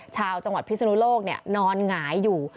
ชาวจังหวัดพิศนุโลกนอนหงายอยู่